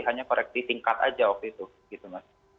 hanya koreksi singkat saja waktu itu